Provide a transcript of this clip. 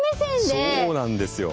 そうなんですよ。